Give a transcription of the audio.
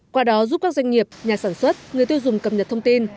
qua đó giúp các doanh nghiệp nhà sản xuất người tiêu dùng cập nhật thông tin